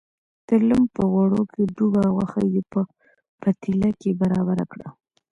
د لم په غوړو کې ډوبه غوښه یې په پتیله کې برابره کړه.